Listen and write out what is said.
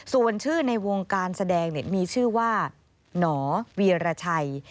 ส่วนชื่อในวงการแสดงมีชื่อว่าหนอเวียรชัย